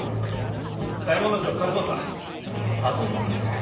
左衛門尉数正後を任せる。